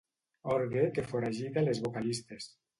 Orgue que foragita les vocalistes.